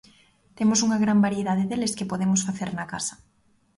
Temos unha gran variedade deles que podemos facer na casa.